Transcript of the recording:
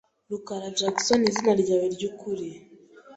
rukaraJackson ni izina ryawe ryukuri?